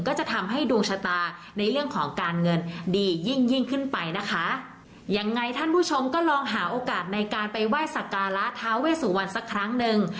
ก็จะทำให้ดวงชะตาในเรื่องของการเงินดียิ่งยิ่งขึ้นไปนะคะยังไงท่านผู้ชมก็ลองหาโอกาสในการไปไหว้สักการะท้าเวสุวรรณสักครั้งหนึ่ง